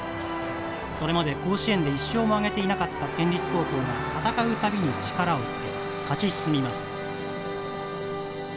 それまで甲子園で一勝も挙げていなかった県立高校が戦う度に力をつけ勝ち進みます。